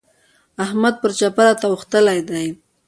احمد پر چپه راته اوښتلی دی.